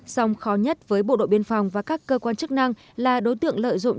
song khó nhất với bộ đội biên phòng và các cơ quan chức năng là đối tượng lợi dụng